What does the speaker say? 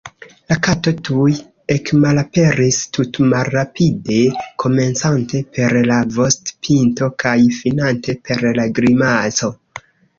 La kato tuj ekmalaperis tutmalrapide, komencante per la vostpinto kaj finante per la grimaco.